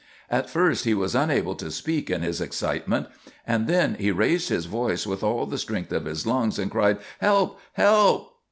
At first he was unable to speak in his excitement, and then he raised his voice with all the strength of his lungs, and cried, "Help! Help!"